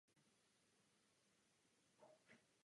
Každá růžice roste pomalu a kvete pouze jedenkrát.